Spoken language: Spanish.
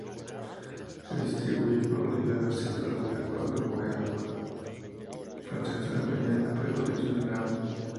Se distribuye por Bolivia, Brasil, Colombia, Ecuador, Guayana Francesa, Guyana, Perú y Surinam.